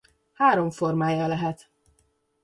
Három formája lehet.